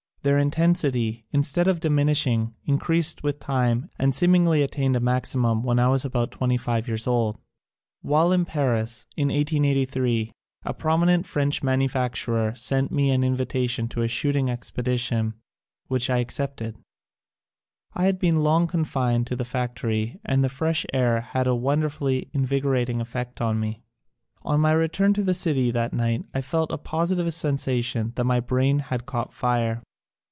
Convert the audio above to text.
Their intensity, instead of diminishing, increased with time and seem ingly attained a maximum when I was about twenty five years old. While in Paris, in 1883, a prominent French manu facturer sent me an invitation to a shoot ing expedition which I accepted. I had been long confined to the factory and the fresh air had a wonderfully invigorating effect on me. On my return to the city that night I felt a positive sensation that my brain had caught fire.